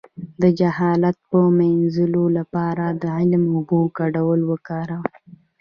د جهالت د مینځلو لپاره د علم او اوبو ګډول وکاروئ